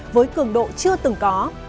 với cường độ chưa từng có